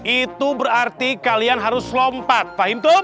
itu berarti kalian harus lompat fahim tum